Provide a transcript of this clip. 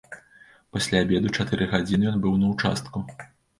Пасля абеду чатыры гадзіны ён быў на ўчастку.